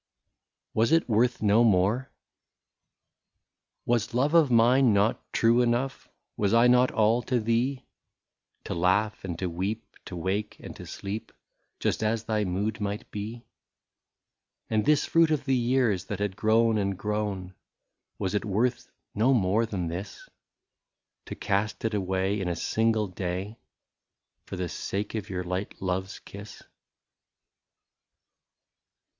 121 WAS IT WORTH NO MORE ?" Was love of mine not true enough, Was I not all to thee, To laugh and to weep, to wake and to sleep, Just as thy mood might be ;" And this fruit of the years, that had grown and grown, Was it worth no more than this, — To cast it away in a single day. For the sake of your light love's kiss